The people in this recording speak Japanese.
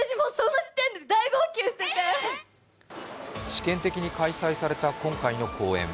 試験的に開催された今回の公演。